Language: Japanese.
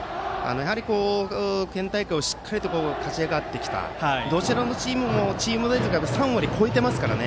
やはり県大会をしっかりと勝ち上がってきてどちらのチームもチーム打率が３割を超えていますからね。